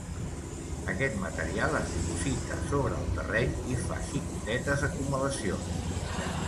Aquest material es diposita sobre el terreny i fa xicotetes acumulacions.